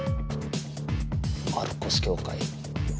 マルコス教会。